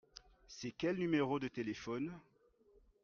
C'est quel numéro de téléphone ?